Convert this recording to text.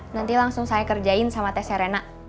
nanti langsung saya kerjain sama tes serena